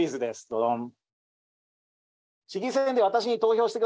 ドドン！